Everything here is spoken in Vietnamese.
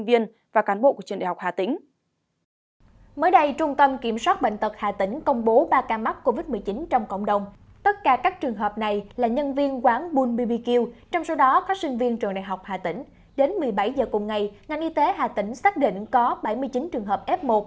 đến một mươi bảy h cùng ngày ngành y tế hà tĩnh xác định có bảy mươi chín trường hợp f một